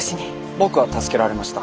僕は助けられました。